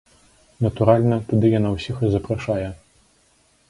Натуральна, туды яна ўсіх і запрашае.